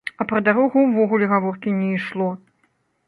А пра дарогу ўвогуле гаворкі не ішло!